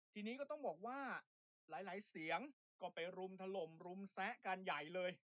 ทีนี้ก็ต้องบอกว่าหลายเสียงก็ไปรุมถล่มรุมแซะกันใหญ่เลย